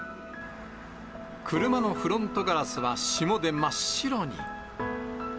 車のフロントガラスは霜で真っ白に。